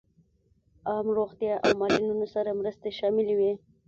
عام روغتیا او معلولینو سره مرستې شاملې وې.